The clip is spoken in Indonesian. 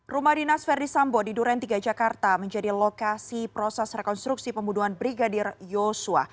rumah dinas verdi sambo di duren tiga jakarta menjadi lokasi proses rekonstruksi pembunuhan brigadir yosua